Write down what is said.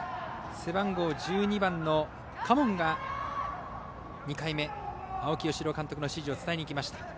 背番号１２番の加門が２回目、青木尚龍監督の指示を伝えにいきました。